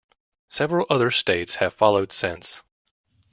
Several other states have followed since.